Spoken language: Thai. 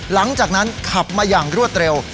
หลังจากนั้นขับมาอย่างรวดเร็ว